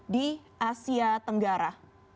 di asia tenggara